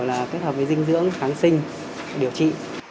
là kết hợp với dinh dưỡng kháng sinh điều trị